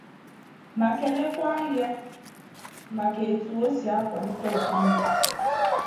ma kelekwa ya maka etu o si akwàlite ọdịmma